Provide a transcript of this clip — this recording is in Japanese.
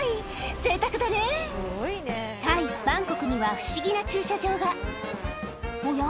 ぜいたくだねタイバンコクには不思議な駐車場がおや？